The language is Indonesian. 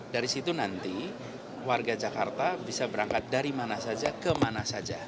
dari situ nanti warga jakarta bisa berangkat dari mana saja kemana saja